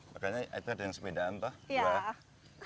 makanya itu ada yang sepedaan pak